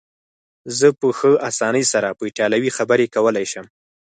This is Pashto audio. زه په ښه اسانۍ سره په ایټالوي خبرې کولای شم.